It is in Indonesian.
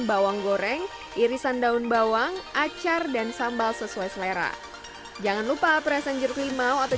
bawang goreng irisan daun bawang acar dan sambal sesuai selera jangan lupa perasan jeruk limau atau